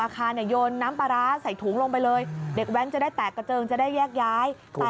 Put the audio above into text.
กระเจิงจะได้แยกย้าย